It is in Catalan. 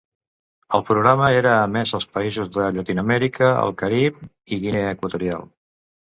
El programa era emès als països de Llatinoamèrica, el Carib i Guinea Equatorial.